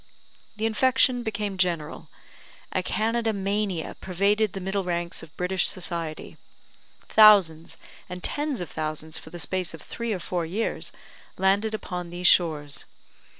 The infection became general. A Canada mania pervaded the middle ranks of British society; thousands and tens of thousands for the space of three or four years landed upon these shores.